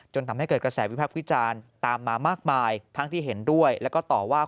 ทำให้เกิดกระแสวิพักษ์วิจารณ์ตามมามากมายทั้งที่เห็นด้วยแล้วก็ต่อว่า